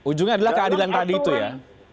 ujungnya adalah keadilan tadi itu ya